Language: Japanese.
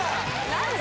・何で？